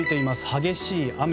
激しい雨。